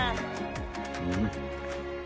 うん。